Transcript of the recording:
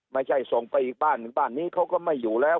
ไม่ใช่ส่งไปอีกบ้านหนึ่งบ้านนี้เขาก็ไม่อยู่แล้ว